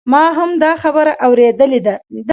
ما هم دا خبره اوریدلې ده